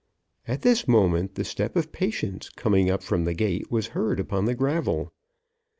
At this moment the step of Patience coming up from the gate was heard upon the gravel.